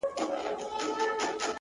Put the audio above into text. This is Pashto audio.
ماته خو اوس هم گران دى اوس يې هم يادوم.